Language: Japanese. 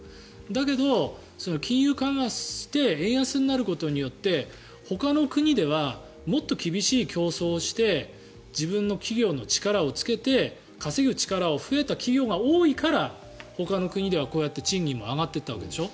だけど、金融緩和して円安になることによってほかの国ではもっと厳しい競争をして自分の企業の力をつけて稼ぐ力が増えた企業が多いからほかの国ではこうやって賃金も上がってったわけでしょ。